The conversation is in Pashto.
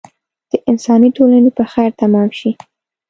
د انساني ټولنې په خیر تمام شي.